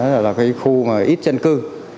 đó là cái khu ít dân cư